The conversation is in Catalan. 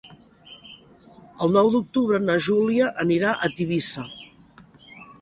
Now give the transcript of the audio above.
El nou d'octubre na Júlia anirà a Tivissa.